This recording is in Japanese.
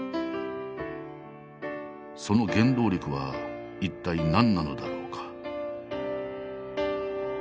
その原動力は一体何なのだろうか。